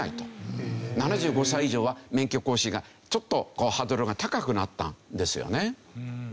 ７５歳以上は免許更新がちょっとハードルが高くなったんですよね。